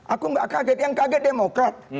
aku gak kaget yang kaget demokrat